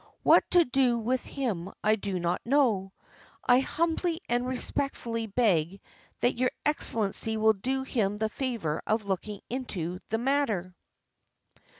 What to do with him I do not know. I humbly and respectfully beg that your Excellency will do him the favor of looking into the matter."